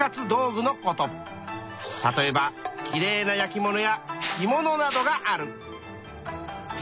例えばきれいな焼き物や着物などがある。